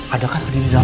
ada kan ada di dalam